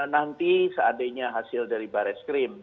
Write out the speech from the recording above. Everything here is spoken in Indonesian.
nanti seandainya hasil dari baris krim